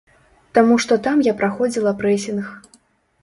Таму што там я праходзіла прэсінг.